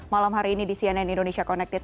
malam hari ini di cnn indonesia connected